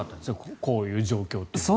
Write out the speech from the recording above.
こういう状況というのは。